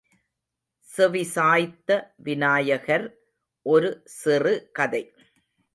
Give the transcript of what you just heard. செவிசாய்த்த விநாயகர் ஒரு சிறு கதை.